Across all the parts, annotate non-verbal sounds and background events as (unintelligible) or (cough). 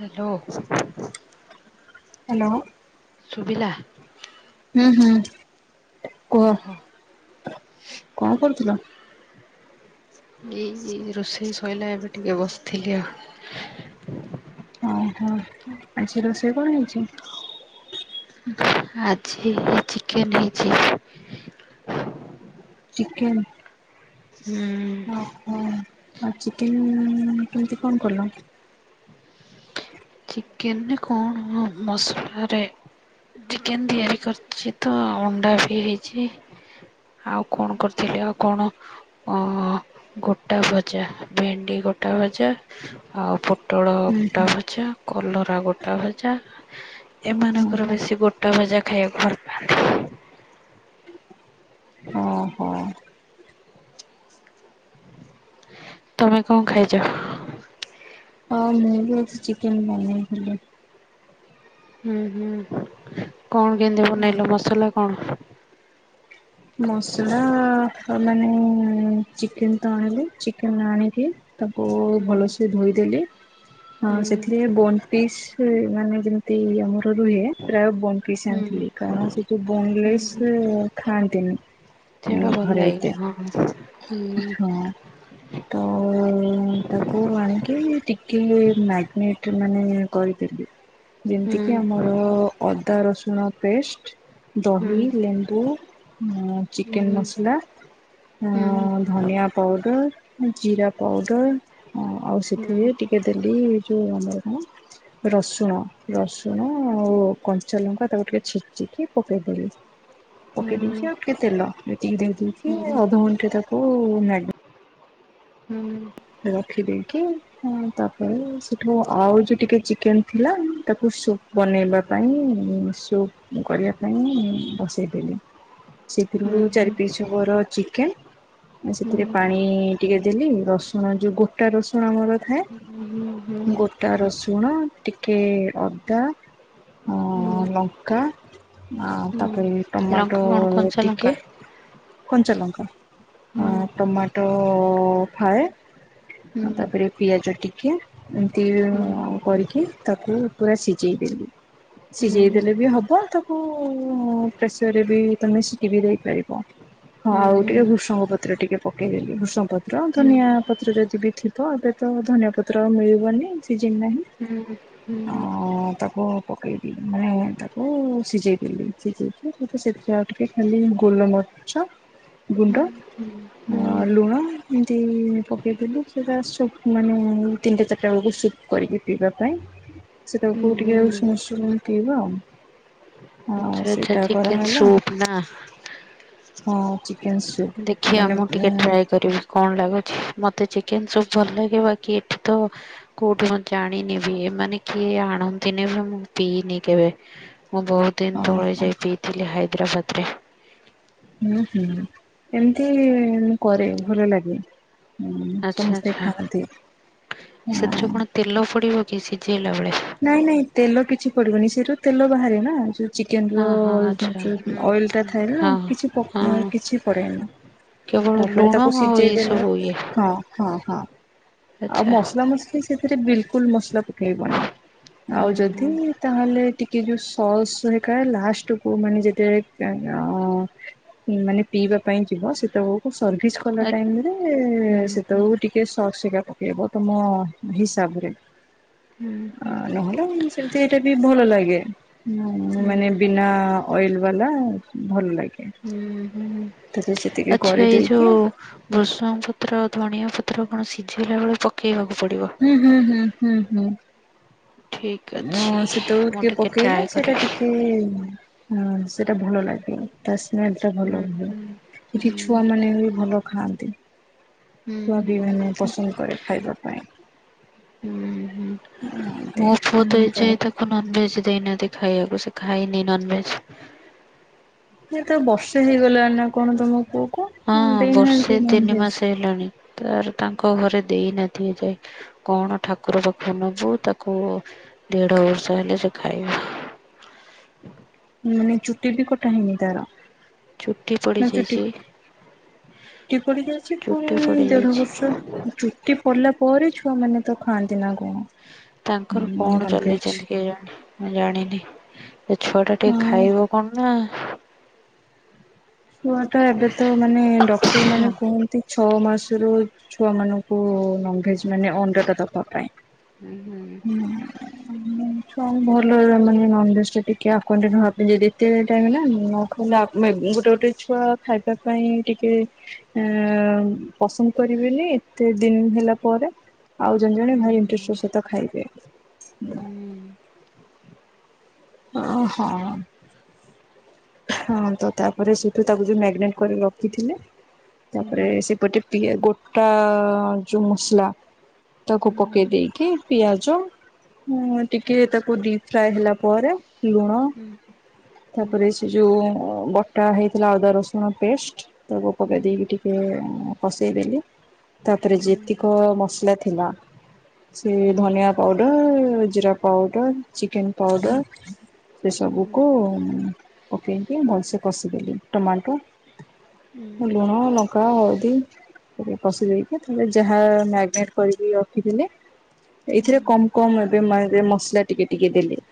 Hello. Hello. ଶୁଭିଲା। ହୁଁ ହୁଁ କୁହ କଣ କରୁଥିଲ? ଏଇ ରୋଷେଇ ସଇଲା ଏବେ ଟିକେ ବସିଥିଲି ଆଉ ଓହୋ ଆଜି ରୋଷେଇ କଣ ହେଇଛି? ଆଜି ଚିକେନ୍ ହେଇଛି। ଉଁ ଚିକେନ ଓ ହୋ। ଆଉ ଚିକେନ କେମିତି କଣ କଲ? ଚିକେନରେ କଣ ମସଲାରେ ଚିକେନ ତିଆରି କରୁଛି ତ ଅଣ୍ଡା ବି ହେଇଛି ଆଉ କଣ କରୁଥିଲି ଆଉ କଣ? ଅହ ଗୋଟା ଭଜା ଭେଣ୍ଡି ଗୋଟା ଭଜା ଆଉ ପୋ ପୋଟଳ ହୁଁ ହୁଁ। ଗୋଟା ଭଜା କଲରା ଗୋଟା ଭଜା ଏମାନଙ୍କର ଓହୋ। ବେଶୀ ଗୋଟା ଭଜା ଖାଇବାକୁ ପାଆନ୍ତି। ଓ ହୋ। ତମେ କଣ ଖାଇଛ? ହଁ ମୁଁ ବି ଅଛି ଚିକେନ ବନେଇଥିଲି। ହୁ ହୁଁ କଣ କେନ୍ତି ବନେଇଲ ମସଲା କଣ? ମସଲା ମାନେ ଚିକେନ ତ ଆଣିଲେ ଚିକେନ ଆଣକି ତାକୁ ହୁଁ। ଭଲସେ ଧୋଇଦେଲି ଅ ସେଥିରେ ବନ ପିସ୍ ସେ ମାନେ ଯେମିତି ଆମର ରୁହେ ପ୍ରାୟ ବଣ୍ ପିସ ହୁଁ ଆଣିଥିଲି କାରଣ ସେ ସୁ ହୁଁ ହୁଁ ବଙ୍ଗଲିଶ ଖାନ୍ତିନି। ସେଟା ଭଲ ଲାଗନି ହଁ ହଁ ହଁ ହୁଁ। ତ ତାକୁ ଆଣିକି ଟିକେ ମ୍ୟାଗନେଟ ମାନେ କରିଦଲେ ହୁଁ ଯେମିତିକି ଆମର ଅଦା ରସୁଣ ପେଷ୍ଟ ହୁଁ ହୁଁ ଦହି ଲେମ୍ବୁ ହଁ ଚିକେନ ହୁଁ ମସଲା ହୁଁ ହୁଁ। ଧନିଆ ପାଉଡର ଜିରା ପାଉଡର ହଁ ଆଉ ହୁଁ ହୁଁ ହୁଁ ସେଥିରେ ଟିକେ ଦେଲି ଯୋଉ ଆମର କଣ ରସୁଣ ରସୁଣ ଆଉ କଞ୍ଚା ଲଙ୍କା ତାକୁ ଟିକେ ଛିଚିକି ପକେଇଦେଲି। (inaudible) ଓକେ ଦେ ଆପ କେତେଲ ମିଟିିକ ଦେଖ ଦଛି ଅଧ ଘଣ୍ଟେ ତାକୁ ମ୍ୟା ହୁଁ। ରଖିଦେଇକି ହଁ ତାପରେ ସେଠୁ ଆଉ ଯୋଉ ଟିକେ ଚିକେନ ଥିଲା ତାକୁ ସୋ ବନେଇବା ପାଇଁ ସୁପ କରିବା ପାଇଁ ବସେଇଦେଲି। (inaudible) ହୁଁ ହୁଁ ସେଥିରୁ ହୁଁ। ଚାରି ପିସର ଚିକେନ ସେଥିରେ ହୁଁ ପାଣି ଟିକେ ଦେଲି ରସ ହ ଯୋଉ ଗୋଟା ରସୁଣ ଆମର ଥାଏ ଗୋଟା ରସୁଣ ଟିକେ ଅଦା ଅ ଲଙ୍କା ଆ ତାପରେ ଲଙ୍କା ଟମାଟୋ କଣ କଞ୍ଚା ଲଙ୍କା? ଟିକେ କଞ୍ଚା ଲଙ୍କା ହୁଁ ଅ ଟମାଟୋ ଫାଳେ ହୁଁ ହଁ ତାପରେ ପିଆଜ ଟିକେ ଏମିତି ହୁଁ କରିକି ତାକୁ ପୁରା ସିଝେଇ ଦେଲିି। ହୁଁ ହୁଁ ସିଝେଇ ହୁଁ। ଦେଲେ ବି ହବ ତାକୁ ପ୍ରେସରରେ ବି ତମେ ସିଖି ବି ଦେଇପାରିବ। ହଁ ହୁଁ ଆଉ ଟିକେ ହୁଁ ଭୃସଙ୍ଗ ପତ୍ର ଟିକେ ପକେଇଦେଲିି ଭୃଷଙ୍ଗ ପତ୍ର ହୁଁ ଧନିଆ ପତ୍ର ଯଦି ବି ଥିବ ଏବେ ତ ଧନିଆ ପତ୍ର ମିଳିବନି ସିିଜିନ୍ ନାହିଁ। ହୁଁ ହୁଁ ହୁଁ। ଆଉ ତାକୁ ପକାଇଦି ମାନେ ତାକୁ ସିଝେଇ ଦେଲି ସିଝେଇକି ତ ସେଥି ଆଉ ଟିକେ ଖାଲି ଗୋଲମର୍ଛ ହୁଁ। ଅ ଲୁଣ ଏମତି ପ ସେଟା ସୁ ମାନେ ତିନିଟା ଚାରିଟା ବେଳକୁ ସୁପ କରିକି ପିଇବା ପାଇଁ। ସେଟାକୁ ଟିକେ ଆଉ ଉସୁମଉଷୁମ ପିଇବା ଆଉ। ହଁ ଆଚଛା ଆଚଛା ସେଇଟା ଚିକେନ କରାହେଲା ସୂପ ନା। ହଁ ଚିକେନ ସୁପ୍ ଦେଖିବା ମାନେ ମୁଁ ଓହୋ ଟିକେ ଟ୍ରାଏ କରିବି। କଣ ଲାଗୁଛି ମତେ ଚିକେନ ସବ ଭଲ ଲାଗିବ କି ଏଠି ତ କୋଉଠି ମୁଁ ଜାଣିନି ବି ଏ ମାନେ କିଏ ଆଣନ୍ତିନି ବି ମୁଁ ପିଇନି କେବେ? ମୁଁ ବହୁତ ଦିନ ତଳେ ହୁଁ ଯାଇ ପିଇଥିଲି ହାଇଦ୍ରାବାଦ ରେ। ହୁଁ ହୁଁ ଏମିତି ମୁଁ କରେ ଭଲ ଲାଗେ। ହୁଁ ଆଚ୍ଛା ସମସ୍ତେ ଆଚ୍ଛା ଖାଆନ୍ତି ହଁ। ସେଥିରେ କଣ ତେଲ ପୋଡ଼ିବକି ସିଝେଇଲା ବେଳେ। ନାଇଁ ନାଇଁ ତେଲ କିଛି ପଡିବନି ସେରୁ ତେଲ ବାହାରେ ନା ଆ ଯୋଉ ଚିକେନ ହଁ ହଁ ଆଚ୍ଛା ର ଅଏଲ ଟା ଥାଏଲା ହଁ କିଛି ପ ହଁ କିଛି ପଡେ ନି। କେବଳ ତାପରେ ଲୁଣ ତାକୁ ଆଉ ସିଝେଇ ଦେଲେ ଏଇସବୁ ଇଏ ହଁ। ହଁ ହଁ ଆଉ ଆଚ୍ଛା ମସଲା ମସଲି ସେଥିରେ ବିଲକୁଲ ମସଲା ପକେଇବନି। ହୁଁ ଆଉ ହୁଁ ଯଦି ତାହେଲେ ଟିକେ ଯୋଉ ସସ୍ ହେରିକା ହେ ଲାଷ୍ଟ କୁ ମାନେ ଯେତେ (unintelligible) ମାନେ ପିଇବା ପାଇଁ ଯିବ ସେତବେଳକୁ ସର୍ଭିସ୍ କଲା ହୁଁ ଟାଇମରେ ହୁଁ ହୁଁ ସେତେବେଳକୁ ଟିକେ ସସ୍ ହେରିକା ପକେଇବ ତୁମ ହିସାବରେ। ଆ ହୁଁ ନହେଲେ ସେମିତି ଏଇଟା ବି ଭଲ ଲାଗେ ମା ମାନେ ବିନା ଅଏଲ ବାଲା ଭଲ ଲାଗେ। ହୁଁ ହୁଁ ତେବେ ସେତିକି ଆଛା ଏଇ କରିଦେଇକି ଯୋଉ ବୃଷଙ୍ଗ ପତ୍ର ଧନିଆ ପତ୍ର କଣ ସିଝେଇଲା ବେଳେ ଚ ହୁଁ ହୁଁ ହୁଁ ହୁଁ ହୁଁ। ଠିକ୍ ଉଁ ଅଛି ଆଁ ସେତେବେଳକୁ ମୁଁ ଟିକେ ଟ୍ରାଏ ପକେଇଲେ ସେଇଟା କରିବି। ଟିକେ (unintelligible) ସେଟା ଭଲ ଲାଗେ। ତା ସ୍ମେଲ ଟା ହୁଁ ଭଲ ହୁଏ ହୁଁ ହୁଁ ଏଠି ଛୁଆ ମାନେ ବି ଭଲ ଖାଆନ୍ତି। ହୁଁ (unintelligible) ହୁଁ। ମାନେ ପସନ୍ଦ କରେ ଖାଇବା ପାଇଁ। ହୁଁ ହୁଁ ଏମତି ମୋ ପୁଅ ତ ହୁଁ ଏଇ ଯାଏ ତା ତ ନନ୍ ଭେଜ ସେ ଦେଇନାହାନ୍ତି ଖାଇବାକୁ ସେ ଖାଇନି ନନ୍ ଭେଜ। ଏ ତ ବର୍ଷେ ହେଇଗଲାଣି ନା କଣ ତମ ପୁଅ କୁ ନନ୍ ଦେଇନାହାନ୍ତି ନନ୍ ଭେଜ? ଦେଇନାହାନ୍ତି। ତାର ତାଙ୍କ ଘରେ ଦେଇନାହାନ୍ତି ଏ ଯାଏ। କଣ ଠାକୁର ପାଖକୁ ନବୁ ତାକୁ ଦେଢ଼ ବର୍ଷ ହେଲେ ସେ ଖାଇବ। ମାନେ ଚୁଟି ବି କଟା ହେଇନି ତାର? ଚୁଟି ପଡ଼ି ଯାଇଚି। ଏପଟେ ଯୋଉ ସେ ଚୁଟି (unintelligible) ଦେଢ଼ ପଡିଯାଇଛି। ବର୍ଷ ରୁ ଚୁ ଟି ପଡ଼ିଲା ପରେ ଛୁଆ ମାନେ ତ ଖାଆନ୍ତି ନା କଣ? ତାଙ୍କର କଣ ନନଭେଜ ଚଲେଇଛନ୍ତି କେଜାଣି ମୁଁ ଜାଣିନି। ଏ ଛୁଆ ଟା ଟିକେ ହଁ ଖାଇବ କଣ ନା ହୁଅ ତ ଏବେ ତ ମାନେ ଡକ୍ଟର ମାନେ କୁହନ୍ତି ଛଅ ମାସରୁ ଛୁଆମାନଙ୍କୁ ନନ୍ ଭେଜ୍ ଜ୍ ମାନେ ଅଣ୍ଡଟା ଦେବା ପାଇଁ। ହୁଁ ମାନେ ଛୁଆ ଭଲ ବି ମାନେ ନନଭେଜ ଟା ଟିକେ ଆକ୍ୱେଣ୍ଟେଡ୍ ଭାବିଲେ ବି ସେ ଟାଇମରେ ନା (unintelligible) ଗୋଟେ ଗୋଟେ ଛୁଆ ଖାଇବା ପାଇଁ ଟିକେ ଆ ପସନ୍ଦ କରିବେନି ଏତେ ଦିନ ହେଲା ପରେ। ଆଉ ଜଣେ ଜଣେ ହୁଁ ହୁଁ ଭାରି ଇଣ୍ଟ୍ରେଷ୍ଟ୍ ର ସହିତ ଖାଇବେ ହୁଁ। ଅଁ ହଁ। ହଁ ତ ତାପରେ ସେଇଠୁ ତାକୁ ଯୋଉ ମାଗ୍ ନେଟ୍ କରି ରଖିଥିଲେ ହୁଁ ତାପରେ ସେପଟେ ପି ଗୋ ଟା ଯୋଉ ମସଲା ତାକୁ ପକେଇ ଦେଇକି ପିଆଜ ଉଁ ଟିକେ ତାକୁ ଡିପ୍ ଫ୍ରାଏ ହେଲା ପରେ। ଲୁଣ ତାପରେ ସେ ଯୋଉ ଅ ବଟା ହେଇଥିଲା ଅଦା ରସୁଣ ପେଷ୍ଟ। ତାକୁ ପକେଇ ଦେଇକି ଟିକେ ଅଁ କଷେଇଦେଲି। ତାପରେ ଯେତିକ ମସଲା ଥିଲା ସେ ଧନିଆ ପାଉଡର ଜିରା ପାଉଡର ଚିକେନ ପାଉଡର। ସେ ସବୁକୁ ପକେଇକି ଭଲସେ କଷିଦେଲି ଟମାଟୋ। ମୁଁ ଲୁଣ ଲ କା ହଳଦୀ ତାପରେ କଷି ଦେଇକି ଯାହା ମ୍ୟାଗ୍ନେଟ କରିକି ରଖିଥିଲି ଏଇଥିରେ କମ କମ ଏବେ (unintelligible) ମସଲା ଟିକେ ଟିକେ ଦେଲି।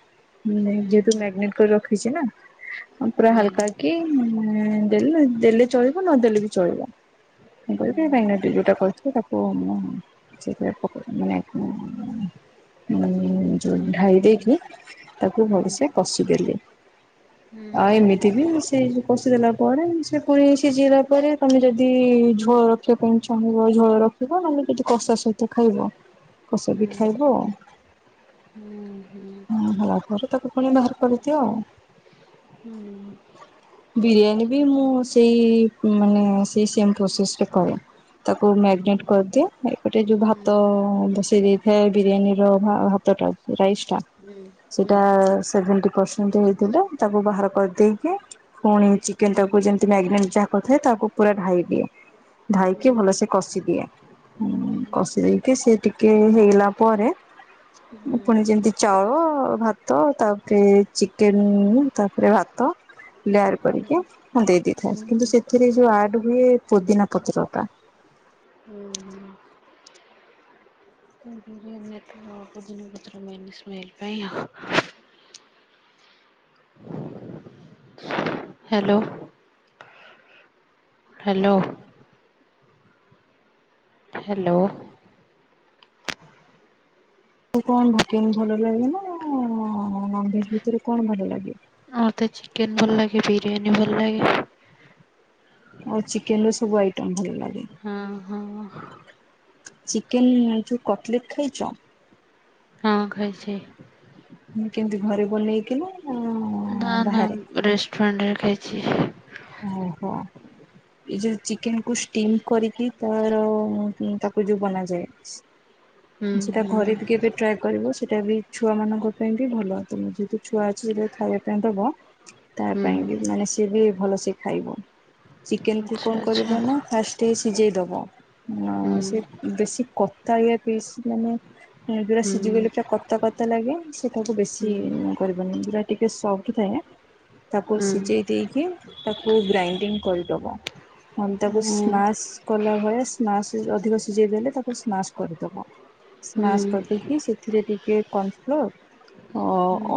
ହୁଁ ଯେହେତୁ ମ୍ୟାଗ୍ନେଟ କରି ରଖିଛି ନା। ଆଉ ପୁରା ହାଲକା କି ଦେଲେ ଦେଲେ ଚଳିବ ନଦଲେ ବି ଚଳିବ। ମୁ କହିଚି ଭାଇ ନା ଯୋଉଟା କହିଲେ ତାକୁ ମୁଁ ସେ ପୁରି ପକୁ ମାନେ ଉଁ ଉଁ ଯୋଉ ଢାଳି ଦେଇକି ତାକୁ ଭଲସେ କଷିଦେଲେ। ଆଉ ଏମିତି ବି ସେ କଷିଦେଲା ପରେ ସେ ପୁଣି ସିଜିଲା ପରେ ତମେ ଯଦି ଝୋଳ ରଖିଅ ଏଁ ଚାହିଁବ ଝୋଳ ରଖିବ ନହେଲେ କିଟି କଷା ସହିତ ଖାଇବ। କଷା ବି ଖାଇବ ହଁ ହଁ। ଅରେ ତାକୁ ପୁଣି ବାହାର କରିଦିଅ। ହୁଁ। ବିରିୟାନୀ ବି ମୁଁ ସେଇ ମାନେ ସେଇ ସେମ୍ ପ୍ରୋସେସରେ କରେ। ତାକୁ ମ୍ୟାରିନେଟ କରିଦିଏ ଏପଟେ ଯୋଉ ଭାତ ବସେଇ ଦେଇଥାଏ ବିରିୟାନୀର ଭା ଭାତଟା। ରାଇସ୍ ଟା ସେଇଟା ସେଭେଣ୍ଟି ପରସେଣ୍ଟ ହେଇଥିଲେ ତାକୁ ବାହାର କରିଦେଇକି ପୁଣି ଚିକେନ ଟାକୁ ଯେ ମ୍ୟାଗନେଟ ଯାହାକରି ଥାଏ ତାହାକୁ ପୁରା ଢାଳି ଦିଏ ଢାଳିକି ଭଲସେ କଷି ଦିଏ। ହୁଁ କସି ଦେଇକି ସିଏ ଟିକିଏ ହେଇଗଲା ପରେ ପୁଣି ଯେମିତି ଚାଉଳ ଭାତ ତାପରେ ଚିକେନ ତାପରେ ଭାତ ଲେୟାର କରିକି ଦେଇ ଦେଇଥାଏ କିନ୍ତୁ ସେଥି ସେଥିରେ ଯୋଉ ଆଡ ହୁଏ ପୋଦିନା ପତ୍ରଟା। ହୁଁ ହୁଁ। ବିରିଆନିରେ ଥିବ ପୋଦିନା ପତ୍ର ମେନ ସ୍ମେଲ୍ ପାଇ। ହାଲୋ। ହାଲୋ। ହାଲୋ। କଣ ଭକନ୍ ଭଲ ଲାଗେ ନା ନନଭେଜ୍ ଭିତରେ କଣ ଭଲ ଲାଗେ? ମତେ ଚିକେନ୍ ଭଲ ଲାଗେ ବିରିୟାନୀ ଭଲ ଲାଗେ। ଆଉ ଚିକେନ୍ ରେ ସବୁ ଆଇଟମ୍ ଭଲ ଲାଗେ। ହଁ ହଁ। ଚିକେନେ୍ ଯୋଉ କଟ୍ ଲେଟ୍ ଖାଇଚ? ହଁ ଖା ଇଛି। ହୁଁ କେମିତି ଘରେକୁ ନେଇକି ନାଁ? ନା ନା ରେଷ୍ଟୁରାଣ୍ଟ ରେ ଖାଇଛି। ଓହୋ। ଏଇ ଯୋଉ ଚିକେନେ କୁ ଷ୍ଟିମ୍ କରିକି ତାର ତାକୁ ଯୋଉ ବନାଯାଏ। (inaudible) (inaudible) ସେଟା ଘରେ ବି କେବେ ଟ୍ରାଏ କରିବ ସେଇଟା ବି ଛୁଆ ମାନଙ୍କ ପାଇଁ ବି ଭଲ। ଛୁଆ ଅଛି ଯଦି ଖାଇବା ପାଇଁ ଦବ ତା ହୁଁ ପାଇଁ ବି ମାନେ ସିଏ ବି ଭଲସେ ଖାଇବ ଚିକେକୁୁ ଆଚ୍ଛା କଣ ଆଚ୍ଛା କରିବ ନା ଫ୍ ଟିକେ ସିଝେଇ ଦବ ହୁଁ ସେ ବେଶୀ କତାଳିଆ ପିସ୍ ମାନେ ପୁରା ହୁଁ ସିଝିଗଲେ ପୁରା କତା କତା ଲାଗିବ ସେଇଟାକୁ ହୁଁ। ବେଶୀ କରିବନି ଯୁରା ଟିକେ ସଫ୍ଟ ଥାଏ ତାକୁ ହୁଁ ସିଝେଇ ଦେଇକି ତାକୁ ଗ୍ରାଇଣ୍ଡିଙ୍ଗ୍ କରିଦବ। ତାକୁ ହୁଁ ସ୍ମାସ କଲା ଭଳିଆ ସ୍ମସ୍ ଅଧିକ ସିଝେଇ ଦେଲେ ତାକୁ ସ୍ମାସ୍ କରିଦବ ହୁଁ ସ୍ନାସ ହୁଁ କରିଦେଇକି ସେଥିରେ ଟିକେଏ କନ ଫ୍ଲୋର ଅ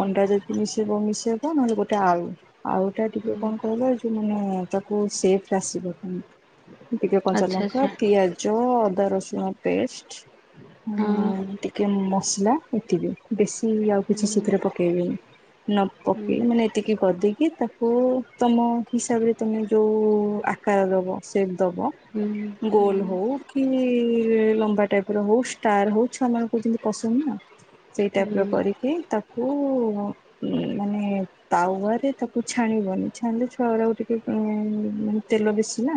ଅଣ୍ଡା ଯଦି ମିଶେଇବ ମିଶେଇବ ନହେଲେ ଗୋଟେ ଆଳୁ। ଆଉ ଏଟା ଟିକେ କଣ କହିଲ ଯୋଉ ମାନେ ତାକୁ ସେଵେ ଆସିବନେହିଁ। ଟିକେ କଞ୍ଚା ଆଚ୍ଛା ଆଚ୍ଛା ଲଙ୍କା, ପିଆଜ, ଅଦା ରସୁଣ ପେଷ୍ଟ। ହଁ ହଁ-ଅ-ଅ ଟିକେ ମସଲା ଏତିକି, ବେଶୀ ଆଉ ହୁଁ କିଛି ସେଥିରେ ପକେଇବେନି। ନ ହୁଁ ପକେଇ ମାନେ ଏତିକି କରିଦେଇକି ତାକୁ ତମ ହିସାବରେ ତମେ ଯୋଉ ଆକାର ଦବ ଶେପ୍ ଦେବ। ହୁଁ ହୁଁ ଗୋଲ ହଉ କି-ଇ-ଇ-ଇ ଲମ୍ବା ଟାଇପର ହଉ, ଷ୍ଟାର ହଉ ଛୁଆ ମାନଙ୍କୁ ଯେମିତି ପସନ୍ଦ ନା? ସେଇ ହୁଁ ଟାଇପର କରିକି- ତାକୁ-ଉ-ଉ ମାନେ ତାୱାରେ ତାକୁ ଛାଣିବନି। ଛାଣିଲେ ଛୁଆ ଗୁଡାକୁ ଟିକେ ଉଁ-ଉଁ-ଉଁ ମାନେ ତେଲ ବେଶି ନା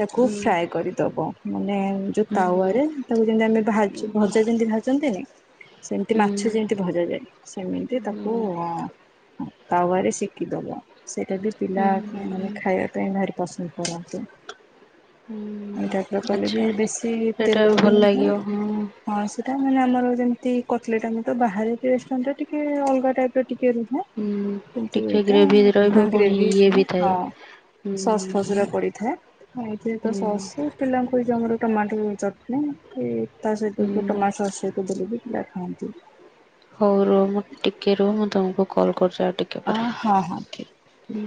ତାକୁ ହୁଁ ଫ୍ରାଏ କରିବୁ। ଦବ ମାନେ ଯୋଉ ହୁଁ ହୁଁ ତାୱାରେ ତାକୁ ଯେମିତି ଆମେ ଭାଜ ହୁଁ। ଭଜା ଯେମତି ଭାଜନ୍ତିନି? ସେମିତି ହୁଁ ମାଛ ଯେମିତି ଭଜା ଯାଏ, ସେମିତି ହୁଁ ତାକୁ ତାୱାରେ ସେକିଦବ, ସେଇଟା ବି ହୁଁ ପିଲାମାନେ ହୁଁ ଖାଇବା ପାଇଁ ଭାରି ପସନ୍ଦ କରନ୍ତି। ଏଇ ଟାଇପର ହୁଁ। କଲେ ବି ଆଚ୍ଛା ବେଶୀ ସେଇଟା ତେଲ ଭଲ ବି ନୁହଁ। ଲାଗିବ ହଁ ହଁ ସେଟା ମାନେ ଆମର ଯେମିତି କଟଲେଟ୍ ଆମେ ତ ବାହାରେ ରେଷ୍ଟୁରାଣ୍ଟରେ ଟିକେ ଅଲଗା ଟାଇପର ଟିକେ ରୁହେ। ହୁଁ। କିନ୍ତୁ ଟିକେ ଏଇଟା ଗ୍ରେଭି ହଁ ରହିବ ପୁଣି ଗ୍ରେଭି ଇଏ ଥାଏ। ବି ହଁ ହୁଁ ସସ୍ ଫସ୍ ଗୁରା ପଡିଥାଏ। ହଁ ଏଥିରେ ତ ହୁଁ ସସ୍ ପିଲାଙ୍କୁ ଏଇ ଯୋଉ ଆମର ଟମାଟୋ ଚଟନୀ କି ତା ହୁଁ ସହିତକୁ ଟମାଟ ସସ୍‌ ସହିତ ଦେଲେ ବି ପିଲା ଖାଆନ୍ତି। ହଉ ରୁହ, ମୁଁ ଟିକେ ରୁହ, ମୁଁ ତମକୁ କଲ କରୁଛି ଆଉ ଟିକେ ଅ ପରେ, ହଁ ହଁ ଠିକ୍। ହୁଁ।